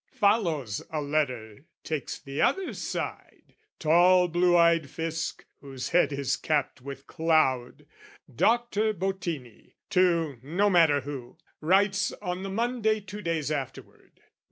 Follows, a letter, takes the other side. Tall blue eyed Fisc whose head is capped with cloud, Doctor Bottini, to no matter who, Writes on the Monday two days afterward.